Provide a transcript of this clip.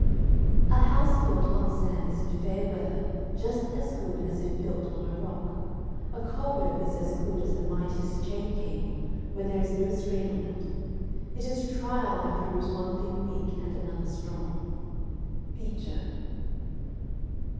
A house built on sand is in fair weather just as good as if built on a rock. A cobweb is as good as the mightiest chain cable where there is no strain on it. It is trial that proves one thing weak and another strong. BEECHER.